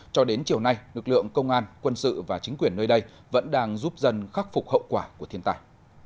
cho đến chiều nay lực lượng công an quân sự và chính quyền nơi đây vẫn đang giúp dân khắc phục hậu quả của thiên tài